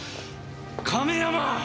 亀山！